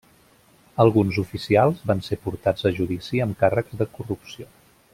Alguns oficials van ser portats a judici amb càrrecs de corrupció.